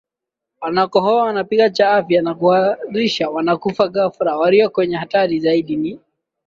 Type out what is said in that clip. Wanakohoa wanapiga cha afya na kuharisha Wanakufa ghafla Walio kwenye hatari zaidi ni